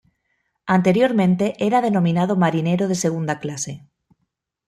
Anteriormente era denominado marinero de segunda clase.